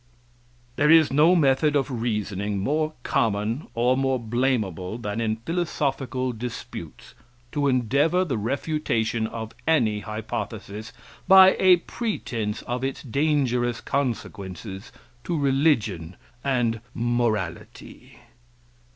[* There is no method of reasoning more common, or more blamable, than in philosophical disputes, to endeavor the refutation of any hypothesis, by a pretense of its dangerous consequences to religion and morality."